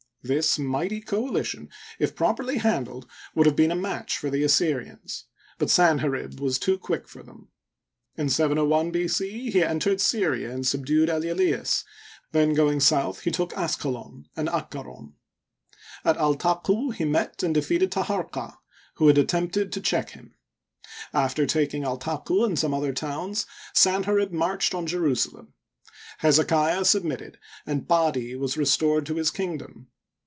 This mighty coalition if properly handled would have been a match for the Assyrians ; but Sanherib was too quick for them. In 701 B. c. he entered Syria and subdued Elulaeus, then going south he took Asqalon and Akkaron. At Altaqu he met and defeated Taharqa, who had attempted to check him. After taking Altaqu and some other towns, Sanherib marched on Jerusalem. Hezekiah submitted, and Pidi was restored to his kingdom.